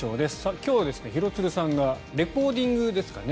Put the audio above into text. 今日は廣津留さんがレコーディングですかね